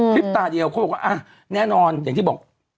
ตาเดียวเขาบอกว่าแน่นอนอย่างที่บอก